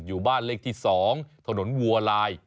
อยู่บ้านเลขที่๒ถนนวัวลาย